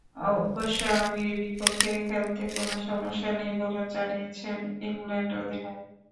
অবশ্য আমিরের বিপক্ষে খেলতে কোনো সমস্যা নেই বলেও জানিয়েছেন ইংল্যান্ড অধিনায়ক।